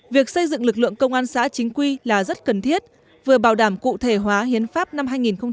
việc xây dựng lực lượng công an xã chính quy là rất cần thiết vừa bảo đảm cụ thể hóa hiến pháp năm hai nghìn một mươi ba